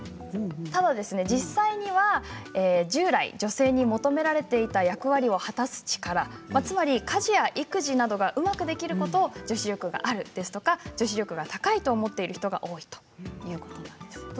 ただ実際には従来女性に求められていた役割を果たす力つまり家事や育児などがうまくできることを女子力があるですとか女子力が高いと思っている人が多いということなんです。